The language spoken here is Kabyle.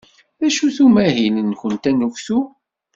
D acu-t umahil-nwent anuktu?